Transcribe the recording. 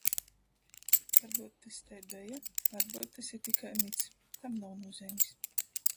Varbyut tys tai beja, varbyut tys ir tikai mits, tam nav nūzeimis.